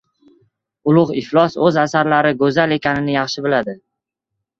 Ulug‘ iflos o‘z asarlari go‘zal ekanini yaxshi biladi.